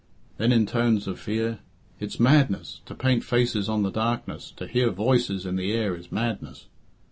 Then, in tones of fear, "It's madness to paint faces on the darkness, to hear voices in the air is madness."